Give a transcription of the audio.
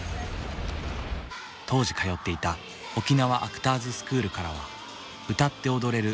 当時通っていた沖縄アクターズスクールからは歌って踊れる